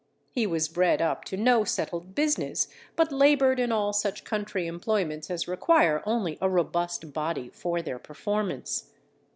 He was bred up to no settled business, but laboured in all such country employments as require only a robust body for their performance.